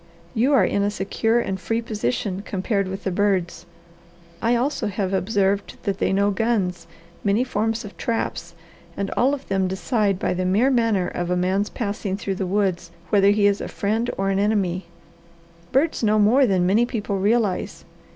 You are in a secure and free position compared with the birds. I also have observed that they know guns, many forms of traps, and all of them decide by the mere manner of a man's passing through the woods whether he is a friend or an enemy. Birds know more than many people realize.